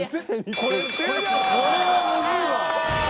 これはむずいわ。